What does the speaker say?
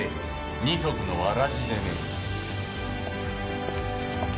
二足のわらじでね。